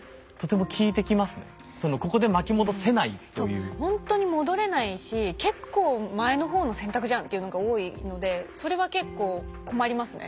そうほんとに戻れないし結構前の方の選択じゃんっていうのが多いのでそれは結構困りますね。